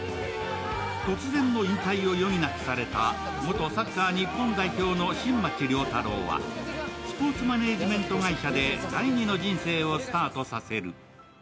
突然の引退を余儀なくされた元サッカー日本代表の新町亮太郎はスポーツマネジメント会社で第二の人生をスタートさせる。